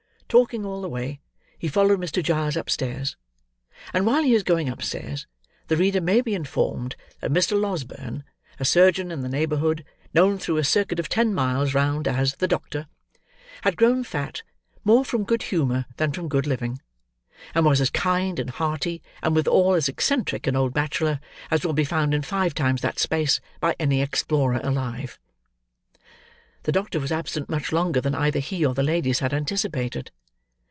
Talking all the way, he followed Mr. Giles upstairs; and while he is going upstairs, the reader may be informed, that Mr. Losberne, a surgeon in the neighbourhood, known through a circuit of ten miles round as "the doctor," had grown fat, more from good humour than from good living: and was as kind and hearty, and withal as eccentric an old bachelor, as will be found in five times that space, by any explorer alive. The doctor was absent, much longer than either he or the ladies had anticipated.